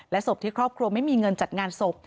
ศพที่ครอบครัวไม่มีเงินจัดงานศพ